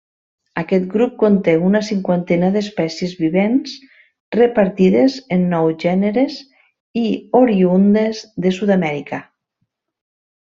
Aquest grup conté una cinquantena d'espècies vivents repartides en nou gèneres i oriündes de Sud-amèrica.